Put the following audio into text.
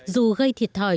dù gây thiệt thòi